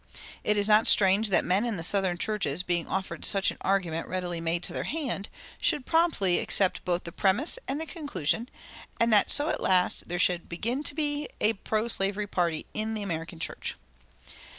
[277:1] It is not strange that men in the southern churches, being offered such an argument ready made to their hand, should promptly accept both the premiss and the conclusion, and that so at last there should begin to be a pro slavery party in the American church.